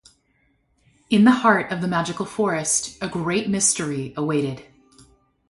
In the heart of the magical forest, a great mystery awaited.